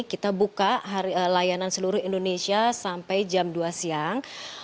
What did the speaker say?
kita buka layanan seluruh indonesia sampai jam dua siang